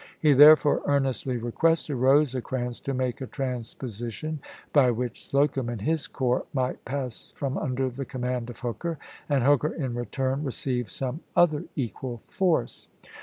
He therefore earnestly requested Eosecrans to make a transposition by which Slocum and his corps might pass from under the command of Hooker, and Hooker in return receive some other E^ecran° equal force.